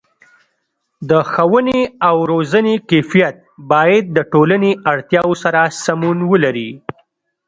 د ښوونې او روزنې کیفیت باید د ټولنې اړتیاو سره سمون ولري.